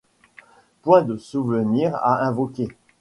Point de souvenirs à invoquer.